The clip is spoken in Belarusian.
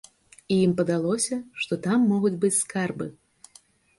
І ім падалося, што там могуць быць скарбы.